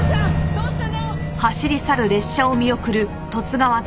どうしたの？